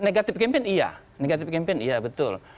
negatif campaign iya negatif campaign iya betul